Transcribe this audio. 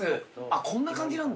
あっこんな感じなんだ。